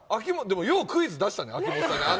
もようクイズ出したね、秋元先生に。